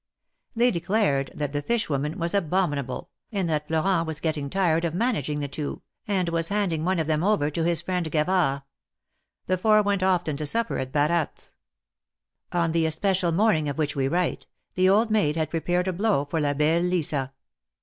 They declared that the fish woman was abom inable, and that Florent was getting tired of managing the two, and was handing one of them over to his friend Gavard ; the four went often to supper at Baratte's. On the especial morning of which we write, the old maid had prepared a blow for La belle Lisa.